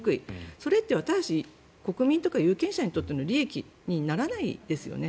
それって私たち国民や有権者にとっての利益にならないですよね。